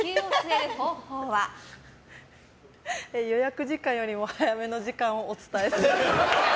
予約時間よりも早めの時間をお伝えする。